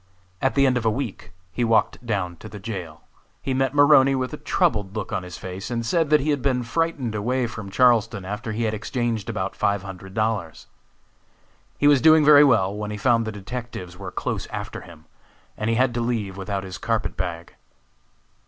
At the end of a week he walked down to the jail. He met Maroney with a troubled look on his face, and said that he had been frightened away from Charleston after he had exchanged about five hundred dollars. He was doing very well when he found the detectives were close after him, and he had to leave without his carpet bag.